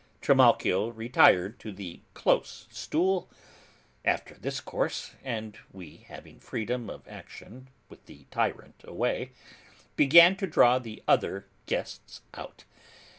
Trimalchio retired to the close stool, after this course, and we, having freedom of action with the tyrant away, began to draw the other guests out.